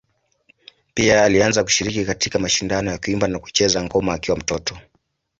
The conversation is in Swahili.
Pia alianza kushiriki katika mashindano ya kuimba na kucheza ngoma akiwa mtoto.